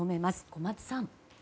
小松さん。